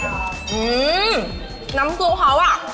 อื้มน้ำซุปเพราะอะ